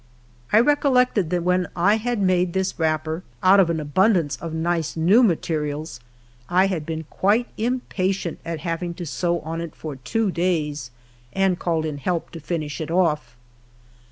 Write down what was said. I recollected that when I had made this wrapper out of an abundance of nice, new materials, I had been quite impatient at having to sew on it for two days, and called in help to finish it otf.